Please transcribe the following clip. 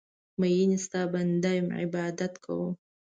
میینې ستا بنده یم عبادت کوم